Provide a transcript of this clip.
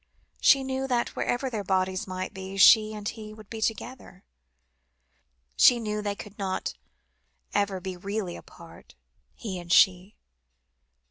"She knew that wherever their bodies might be, she and he would be together. She knew they could not ever be really apart he and she."